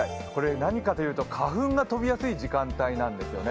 何かというと、花粉が飛びやすい時間帯なんですよね。